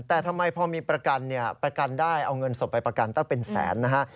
แต่ทำไมพอมีประกันเนี่ยประกันได้เอาเงินสดไปประกันตั้งเป็นแสนนะฮะ